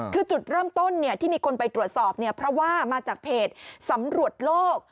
คือจุดเริ่มต้นที่มีคนไปตรวจสอบเนี่ยเพราะว่ามาจากเพจสำรวจโลก